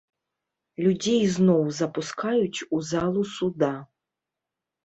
Людзей зноў запускаюць у залу суда.